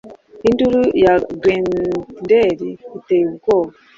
Induru ya Grendel iteye ubwoba